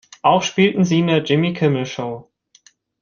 Auch spielten sie in der Jimmy Kimmel Show.